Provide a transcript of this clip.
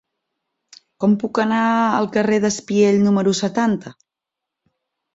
Com puc anar al carrer d'Espiell número setanta?